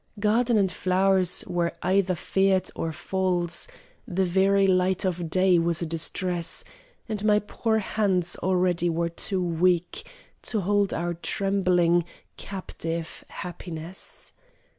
Garden and flow'rs were either feared or false; The very light of day was a distress; And my poor hands already were too weak To hold our trembling, captive, happiness.